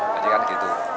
hanya kan begitu